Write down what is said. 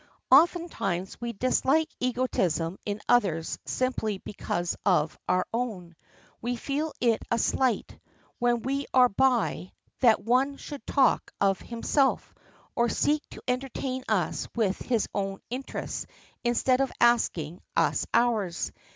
Ofttimes we dislike egotism in others simply because of our own. We feel it a slight, when we are by, that one should talk of himself, or seek to entertain us with his own interests instead of asking us ours.